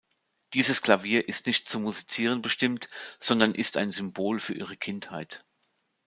Dieses Klavier ist nicht zum Musizieren bestimmt, sondern ist ein Symbol für ihre Kindheit.